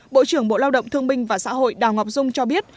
bộ trưởng bộ lao động thương minh và xã hội đào ngọc dung cho biết